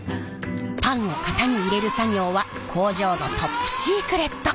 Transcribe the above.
パンを型に入れる作業は工場のトップシークレット！